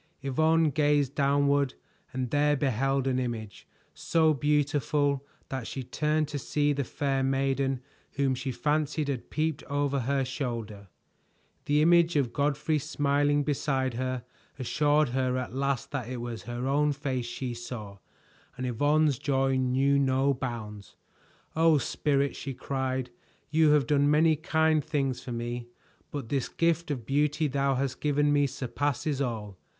Yvonne gazed downward and there beheld an image, so beautiful that she turned to see the fair maiden whom she fancied had peeped over her shoulder. The image of Godfrey smiling beside her assured her at last that it was her own face she saw, and Yvonne's joy knew no bounds. "Oh, Spirit!" she cried. "You have done many kind things for me, but this gift of beauty thou hast given me surpasses all!